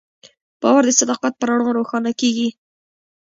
باور د صداقت په رڼا روښانه کېږي.